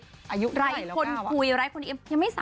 ไหนคนคุยยังไม่๓๐๒๘